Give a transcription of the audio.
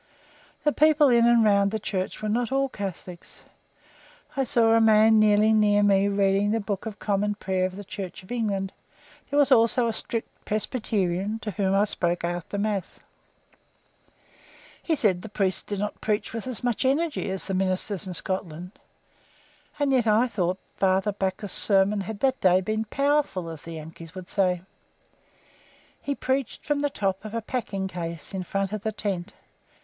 The people in and around the church were not all Catholics. I saw a man kneeling near me reading the Book of Common Prayer of the Church of England; there was also a strict Presbyterian, to whom I spoke after Mass. He said the priest did not preach with as much energy as the ministers in Scotland. And yet I thought Father Backhaus' sermon had that day been "powerful," as the Yankees would say. He preached from the top of a packing case in front of the tent.